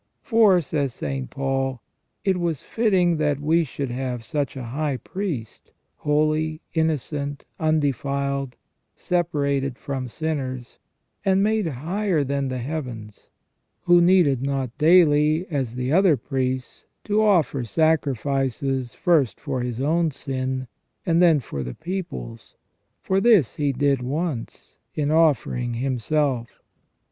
" For," says St. Paul, " it was fitting that we should have such a high priest, holy, innocent, undefiled, separated from sinners, and made higher than the heavens f who needed not daily, as the other priests, to offer sacrifices first for His own sin, and then for the people's : for this He did once, in offering Himself."